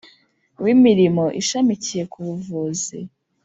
w imirimo ishamikiye ku buvuzi